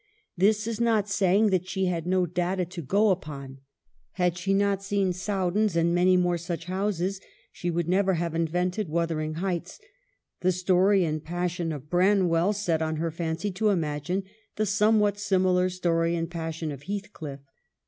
This is not saying that she had no data to go upon. Had she not seen Sowdens, and many more such houses, she would never have invented ' Wither ing Heights ;' the story and passion of Branwell set on her fancy to imagine the somewhat simi lar story and passion of Heathcliff.